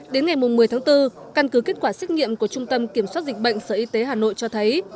đến ngày một mươi tháng bốn căn cứ kết quả xét nghiệm của trung tâm kiểm soát dịch bệnh sở y tế hà nội cho thấy